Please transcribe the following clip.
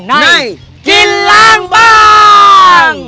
ในกินล้างบาง